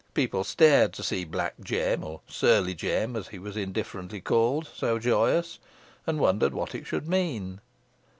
People stared to see Black Jem, or Surly Jem, as he was indifferently called, so joyous, and wondered what it could mean.